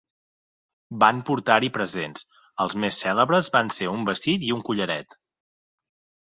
Van portar-hi presents, els més cèlebres van ser un vestit i un collaret.